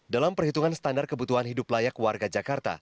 dalam perhitungan standar kebutuhan hidup layak warga jakarta